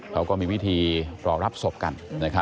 เขาก็มีวิธีรอรับศพกัน